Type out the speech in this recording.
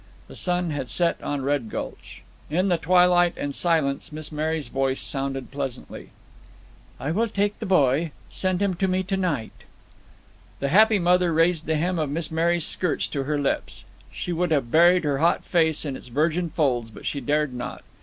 The sun had set on Red Gulch. In the twilight and silence Miss Mary's voice sounded pleasantly. "I will take the boy. Send him to me tonight." The happy mother raised the hem of Miss Mary's skirts to her lips. She would have buried her hot face in its virgin folds, but she dared not.